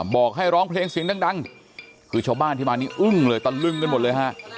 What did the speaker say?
บอกให้ร้องเพลงเสียงดังคือชาวบ้านที่มานี้อึ้งเลยตะลึงกันหมดเลยฮะ